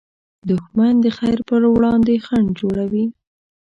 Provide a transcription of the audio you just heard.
دښمن د خیر پر وړاندې خنډ جوړوي